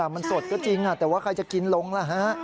มันสดก็จริงแต่ว่าใครจะกินลงล่ะฮะ